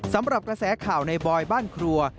สำหรับกระแสข่าวในบอยบ้านครัว